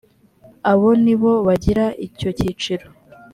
abo nibo bagira icyo cyiciro